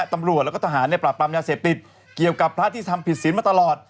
ตำรวจแล้วก็ทหารในปราบปรามยาเสพติดเกี่ยวกับพระที่ทำผิดศีลมาตลอด